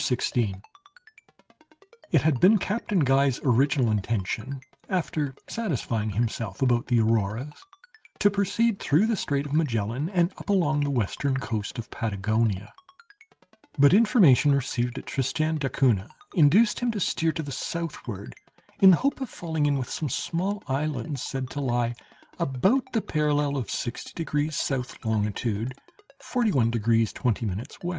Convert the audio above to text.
CHAPTER 16 It had been Captain Guy's original intention, after satisfying himself about the Auroras, to proceed through the Strait of Magellan, and up along the western coast of Patagonia; but information received at Tristan d'Acunha induced him to steer to the southward, in the hope of falling in with some small islands said to lie about the parallel of 60 degrees S., longitude 41 degrees 20' W.